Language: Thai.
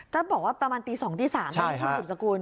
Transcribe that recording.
ก็บอกว่าประมาณปี๒๓ที่สุดสกุล